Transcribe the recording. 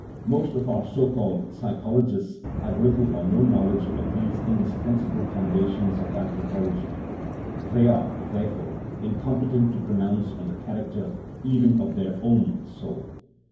Most of our so called " psychologists " have little or no knowledge of these indispensable foun dations of anthropology; they are, therefore, incom petent to pronounce on the character even of their own " soul."